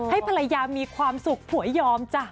ให้ภรรยามีความสุขผัวยอมจ้ะ